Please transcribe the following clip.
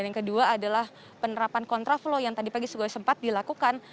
dan yang kedua adalah penerapan kontra flow yang tadi pagi sempat dilakukan